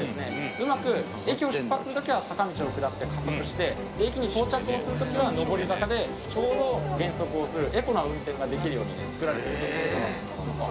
うまく駅を出発する時は坂道を下って加速して駅に到着をする時は上り坂でちょうど減速をするエコな運転ができるようにね造られています。